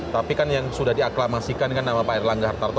tapi kan yang sudah diaklamasikan kan nama pak erlangga hartarto